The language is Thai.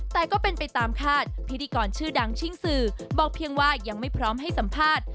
แต่ก็เป็นไปตามคาดพิธีกรชื่อดังชิ่งสื่อบอกเพียงว่ายังไม่พร้อมให้สัมภาษณ์